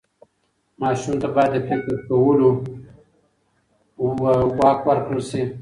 ماشوم ته باید د فکر کولو واک ورکړل سي.